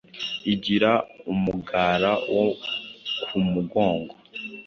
igira umugara wo ku mugongo